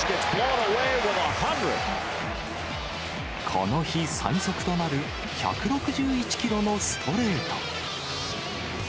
この日最速となる１６１キロのストレート。